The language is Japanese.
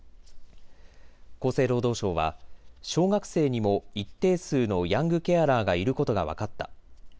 厚生労働省は小学生にも一定数のヤングケアラーがいることが分かった。